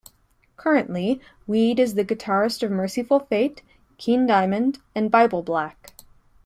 Currently Wead is the guitarist of Mercyful Fate, King Diamond, and bibleblack.